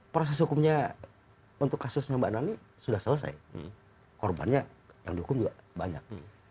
proses hukumnya untuk kasusnya mbak nani sudah selesai korbannya yang dihukum juga banyak